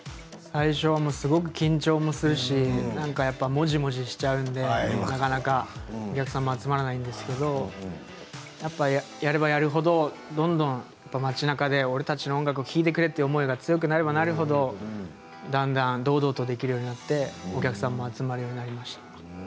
最初すごい緊張もするしもじもじしちゃうのでなかなかお客さんも集まらないんですけれどやっぱりやればやるほどどんどん街なかで俺たちの音楽を聴いてくれという思いが強くなれば強くなるほどだんだん堂々とできるようになってお客さんも集まるようになりました。